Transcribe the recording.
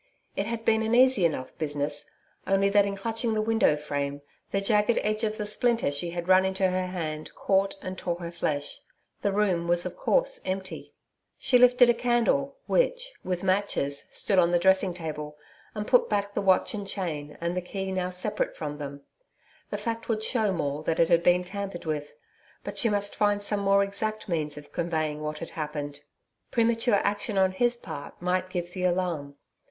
It had been an easy enough business, only that in clutching the window frame, the jagged end of the splinter she had run into her hand caught and tore her flesh. The room was of course empty. She lifted a candle which, with matches, stood on the dressing table and put back the watch and chain, and the key now separate from them. That fact would show Maule that it had been tampered with. But she must find some more exact means of conveying what had happened. Premature action on his part might give the alarm.